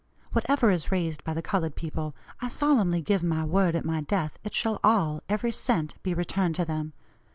Whatever is raised by the colored people, I solemnly give my word, at my death it shall all, every cent, be returned to them.